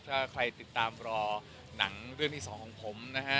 ถ้าใครติดตามรอหนังเรื่องที่สองของผมนะฮะ